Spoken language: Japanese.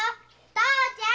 父ちゃん！